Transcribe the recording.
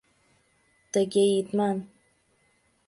— Тыге ит ман.